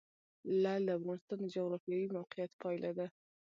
لعل د افغانستان د جغرافیایي موقیعت پایله ده.